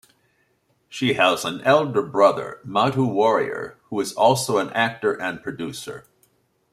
She has an elder brother, Madhu Warrier, who is also an actor and producer.